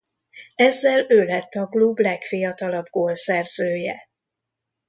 Ezzel ő lett a klub legfiatalabb gólszerzője.